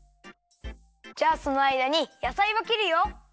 じゃあそのあいだにやさいをきるよ。